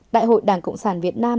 đại hội đảng cộng sản việt nam